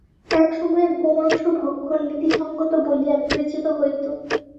এক সময়ে গোমাংস-ভক্ষণ নীতিসঙ্গত বলিয়া বিবেচিত হইত।